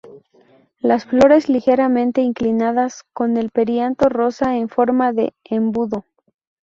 Las flores ligeramente inclinadas; con el perianto rosa, en forma de embudo.